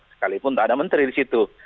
sekalipun tak ada menteri di situ